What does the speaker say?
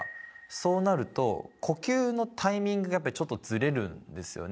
そうなると呼吸のタイミングがちょっとずれるんですよね。